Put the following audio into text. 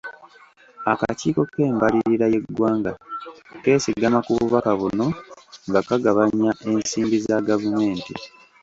Akakiiko k'embalirira y'eggwanga keesigama ku bubaka buno nga kagabanya ensimbi za gavumenti.